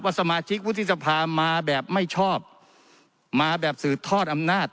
สมาชิกวุฒิสภามาแบบไม่ชอบมาแบบสืบทอดอำนาจ